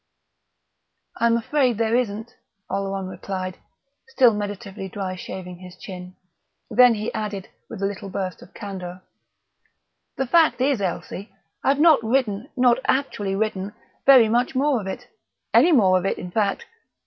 "I'm afraid there isn't," Oleron replied, still meditatively dry shaving his chin. Then he added, with a little burst of candour, "The fact is, Elsie, I've not written not actually written very much more of it any more of it, in fact.